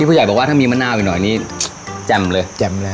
ผู้ใหญ่บอกว่าถ้ามีมะนาวไปหน่อยนี่แจ่มเลยแจ่มเลย